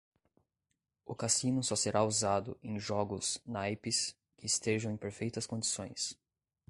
O cassino só será usado em jogos naipes que estejam em perfeitas condições.